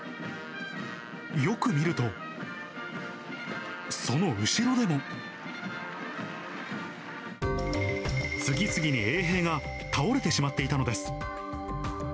よく見ると、その後ろでも。次々に衛兵が倒れてしまっていたのです。